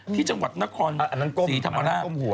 ที่จังหวัดนครศรีธรรมราช